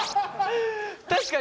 確かに。